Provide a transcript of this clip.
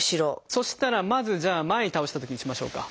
そしたらまずじゃあ前に倒したときにしましょうか。